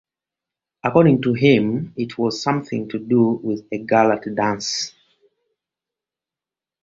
According to him, It was something to do with a girl at a dance.